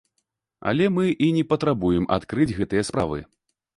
Але мы і не патрабуем адкрыць гэтыя справы.